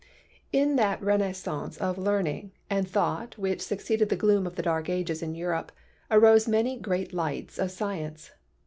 In that renascence of learning and thought which suc ceeded the gloom of the Dark Ages in Europe arose many great lights of science.